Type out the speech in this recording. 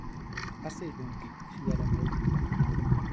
Assez donc ! cria la Maheude.